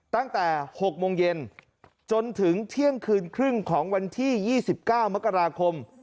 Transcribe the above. ตั้งแต่๖โมงเย็นจนถึงเที่ยงคืนครึ่งของวันที่๒๙มกราคม